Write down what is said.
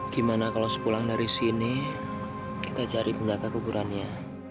gimana kalau sepulang dari sini kita cari bengkak ke kuburannya